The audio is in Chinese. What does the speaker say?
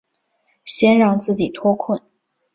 先让自己脱困